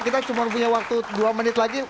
kita cuma punya waktu dua menit lagi